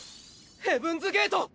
ヘブンズ・ゲート！